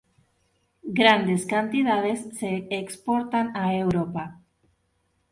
Grandes cantidades se exportan a Europa.